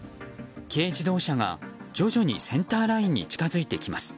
軽自動車が徐々にセンターラインに近づいてきます。